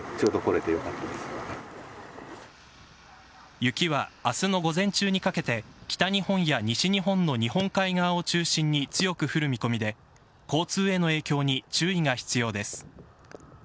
雪は明日の午前中にかけて北日本や西日本の日本海側を中心に強く降る見込みで交通への影響に注意が必要です。